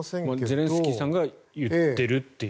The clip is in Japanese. ゼレンスキーさんが言っているという。